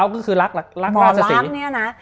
หมอลักษณ์นี่นะ